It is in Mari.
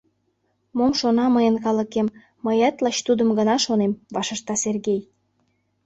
— Мом шона мыйын калыкем, мыят лач тудым гына шонем! — вашешта Сергей.